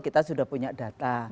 kita sudah punya data